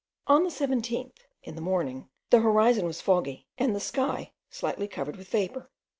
On the 17th, in the morning, the horizon was foggy, and the sky slightly covered with vapour.